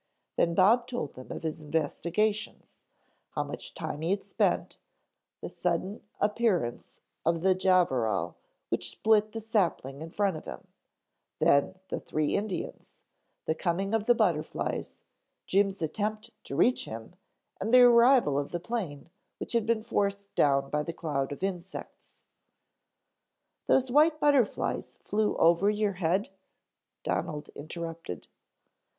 Then Bob told them of his investigations, how much time he had spent, the sudden appearance of the javarel which split the sapling in front of him, then the three Indians, the coming of the butterflies, Jim's attempt to reach him and the arrival of the plane which had been forced down by the cloud of insects. "Those white butterflies flew over your head?" Donald interrupted.